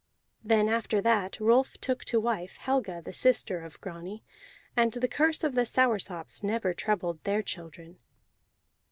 Then after that Rolf took to wife Helga the sister of Grani, and the curse of the Soursops never troubled their children.